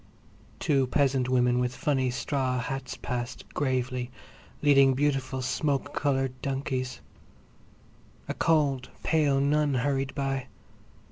Two peasant women with funny straw hats passed, gravely, leading beautiful smoke coloured donkeys. A cold, pale nun hurried by.